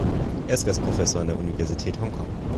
Er ist Gastprofessor an der Universität Hongkong.